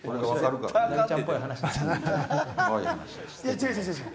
違う、違う、違う。